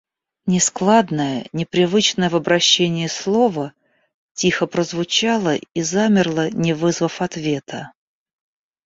Нескладное, непривычное в обращении слово тихо прозвучало и замерло, не вызвав ответа.